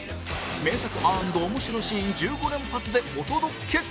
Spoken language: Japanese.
名作＆面白シーン１５連発でお届け！